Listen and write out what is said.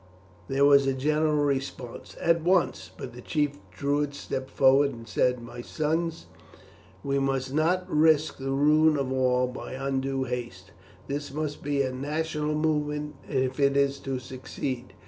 There was a general response "At once!" but the chief Druid stepped forward and said: "My sons, we must not risk the ruin of all by undue haste; this must be a national movement if it is to succeed.